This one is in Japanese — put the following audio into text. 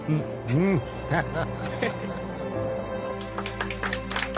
うんハハハハ